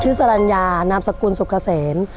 ชื่อสรรญานามสกุลสุขเสน